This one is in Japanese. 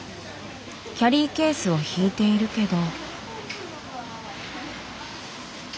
キャリーケースを引いているけど。